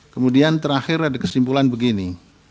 kemudian terakhir ada kesimpulan begini